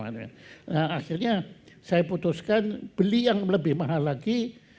nah akhirnya saya putuskan beli yang lebih mahal lagi